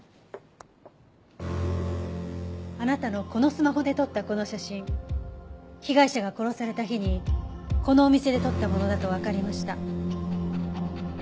あなたのこのスマホで撮ったこの写真被害者が殺された日にこのお店で撮ったものだとわかりました。